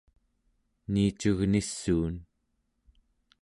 niicugnissuun